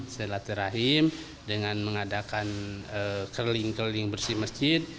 silaturahim dengan mengadakan keliling keliling bersih masjid